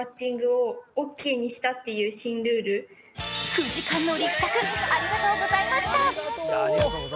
９時間の力作、ありがとうございました。